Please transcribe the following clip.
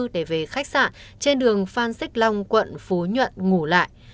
để về khách sạn trên đường phan xích long quận phú nhuận ngủ lại